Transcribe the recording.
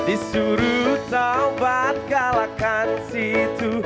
disuruh taubat galakan situ